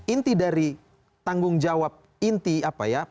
inti dari tanggung jawab inti apa ya